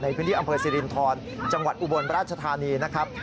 ในพื้นที่อำเภอสิรินทรจังหวัดอุบลราชธานีนะครับ